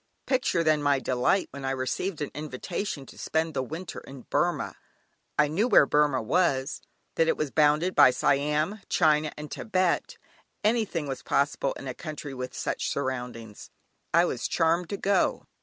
Picture then my delight when I received an invitation to spend the winter in Burmah. I knew where Burmah was; that it was bounded by Siam, China, and Tibet; anything was possible in a country with such surroundings. I was charmed to go.